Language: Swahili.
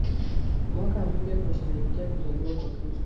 Mwaka mpya twasherekea kuzaliwa kwa Kristo